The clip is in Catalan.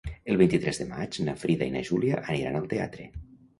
El vint-i-tres de maig na Frida i na Júlia aniran al teatre.